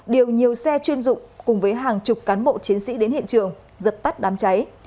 điều nhiều xe chuyên dụng cùng với hàng chục cán bộ chiến sĩ đến hiện trường dập tắt đám cháy